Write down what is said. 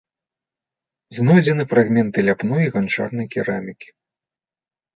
Знойдзены фрагменты ляпной і ганчарнай керамікі.